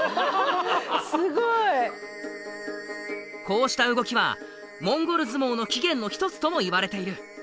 こうした動きはモンゴル相撲の起源の一つともいわれている。